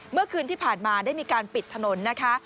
เมื่อคืนที่ผ่านมาได้มีการปิดถนนนะคะ